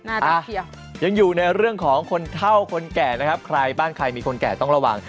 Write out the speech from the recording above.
ยังอยู่ในเรื่องของคนเท่าคนแก่นะครับใครบ้านใครมีคนแก่ต้องระวัง